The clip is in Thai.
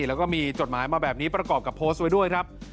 แล้วก็มีจดหมายมาแบบนี้ประกอบกับโพสต์ไว้ด้วยครับ